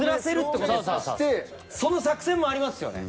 その作戦もありますよね。